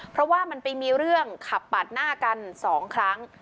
เพราะว่ามันไปมีเรื่องขับปาดหน้ากัน๒ครั้ง